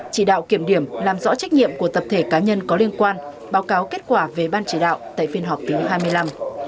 chỉ đạo kiểm điểm làm rõ trách nhiệm của tập thể cá nhân có liên quan báo cáo kết quả về ban chỉ đạo tại phiên họp thứ hai mươi năm